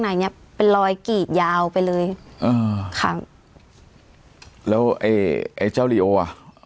ในเนี้ยเป็นรอยกีดยาวไปเลยอืมค่ะแล้วไอ้เจ้าลิโออะ